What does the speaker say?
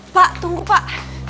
pak tunggu pak